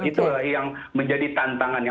itu yang menjadi tantangannya